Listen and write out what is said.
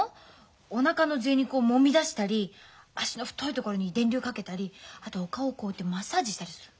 おなかのぜい肉をもみ出したり脚の太いところに電流かけたりあとお顔をこうやってマッサージしたりするの。